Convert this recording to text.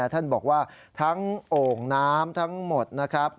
ท่านบอกว่าทั้งโอ่งน้ำทั้งหมดนะครับ